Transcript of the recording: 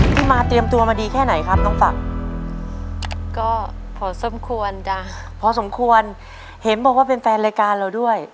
มาเตรียมตัวมาดีแค่ไหนครับน้องฝักก็พอสมควรจ้ะพอสมควรเห็นบอกว่าเป็นแฟนรายการเราด้วย